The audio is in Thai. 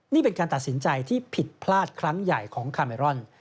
นี่เป็นการตัดสินใจที่ผิดพลาดครั้งใหญ่ของคาเมรอน